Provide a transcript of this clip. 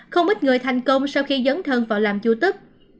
không ít người thành công sau khi dấn thân vào làm youtube